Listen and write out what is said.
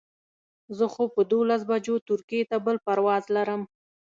زه خو په دولس بجو ترکیې ته بل پرواز لرم.